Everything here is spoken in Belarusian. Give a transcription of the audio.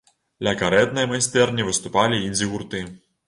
Ля карэтнай майстэрні выступалі індзі-гурты.